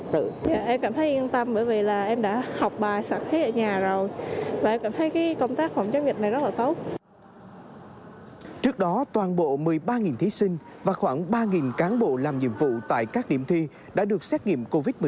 đến nay công tác phòng chống dịch đã được xét nghiệm